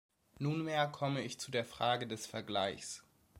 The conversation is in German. Nunmehr komme ich zur Frage des Vergleichs.